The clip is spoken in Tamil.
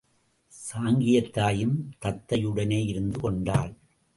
சாங்கியத்தாயும் தத்தையுடனே இருந்து கொண்டாள்.